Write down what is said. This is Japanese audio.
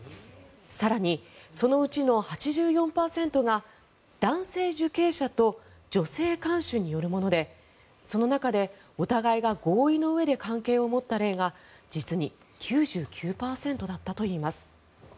更に、そのうちの８４％が男性受刑者と女性看守によるものでその中で、お互いが合意のうえで関係を持った例が実に９９％だったといいます。